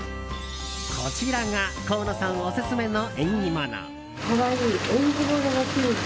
こちらが河野さんオススメの縁起物。